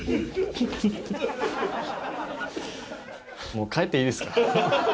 もう帰っていいですか？